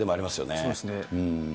そうですね。